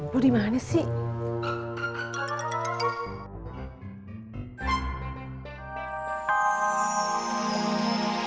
lo dimana sih